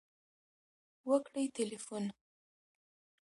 .وکړئ تلیفون